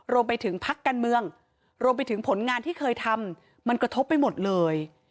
รวมไปถึงพักการเมืองรวมไปถึงผลงานที่เคยทำมันกระทบไปหมดเลย